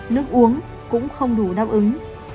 nước uống cũng không đủ đáp ứng